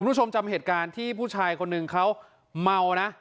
คุณผู้ชมจำเหตุการณ์ที่ผู้ชายคนหนึ่งเขาเมานะ